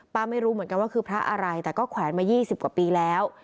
ไม่รู้เหมือนกันว่าคือพระอะไรแต่ก็แขวนมา๒๐กว่าปีแล้ว